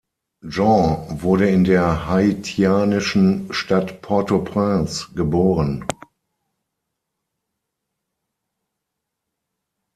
Jean wurde in der haitianischen Stadt Port-au-Prince geboren.